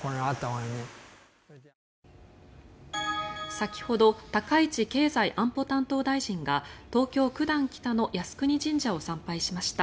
先ほど高市経済安保担当大臣が東京・九段北の靖国神社を参拝しました。